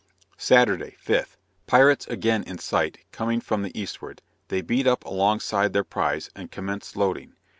Saturday, 5th. Pirates again in sight, coming from the eastward; they beat up along side their prize, and commenced loading.